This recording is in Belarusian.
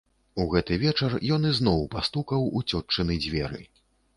У гэты вечар ён ізноў пастукаў у цётчыны дзверы.